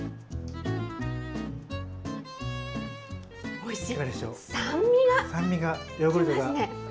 おいしい。